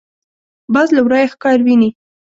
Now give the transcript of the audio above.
باز له ورايه ښکار ویني